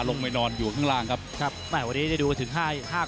หมดยกหมดยก